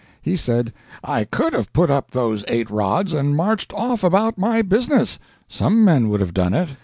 He said, "I could have put up those eight rods, and marched off about my business some men would have done it.